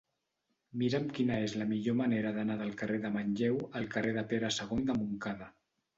Mira'm quina és la millor manera d'anar del carrer de Manlleu al carrer de Pere II de Montcada.